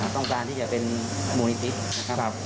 ต้องการที่จะเป็นมูลนิธินะครับ